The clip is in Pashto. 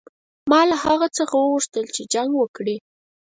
ما له هغه څخه وغوښتل چې جنګ وکړي.